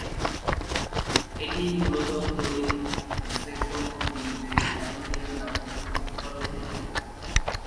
এটি মূলত তড়িৎ বিশ্লেষণ পদ্ধতিতে অ্যালুমিনিয়াম ধাতুর পৃথকীকরণ প্রক্রিয়া।